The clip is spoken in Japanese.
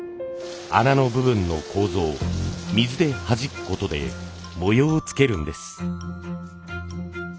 穴の部分の楮を水ではじくことで模様をつけるんです。